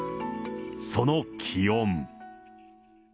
その気温。